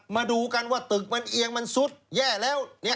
มาดูกันว่าตึกมันเอียงมันซุดแย่แล้ว